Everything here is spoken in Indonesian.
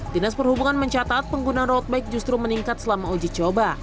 dinas perhubungan mencatat pengguna road bike justru meningkat selama uji coba